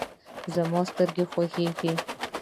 زما سترګې خوږیږي